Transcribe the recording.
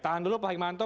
tahan dulu pak hangimanto